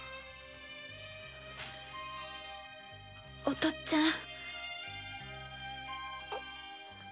お父っつぁん。